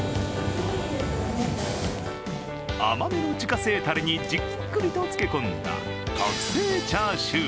甘めの自家製たれにじっくりとつけ込んだ、特製チャーシュー。